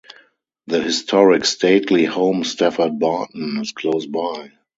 The historic stately home Stafford Barton is close by.